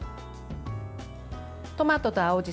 トマトと青じ